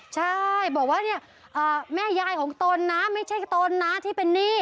ใช่บอกว่าเนี่ยแม่ยายของตนนะไม่ใช่ตนนะที่เป็นหนี้